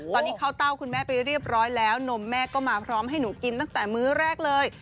ตอนนี้เข้าเต้าคุณแม่ไปเรียบร้อยแล้วนมแม่ก็มาพร้อมให้หนูกินตั้งแต่มื้อแรกเลย